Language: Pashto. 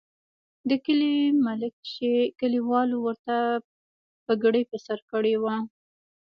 د کلي ملک چې کلیوالو ورته پګړۍ په سر کړې وه.